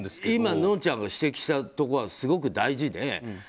今、のんちゃんが指摘したところはすごく大事で。